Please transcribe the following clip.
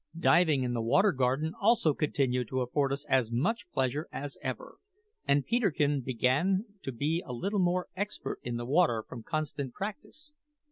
Diving in the Water Garden also continued to afford us as much pleasure as ever, and Peterkin began to be a little more expert in the water from constant practice.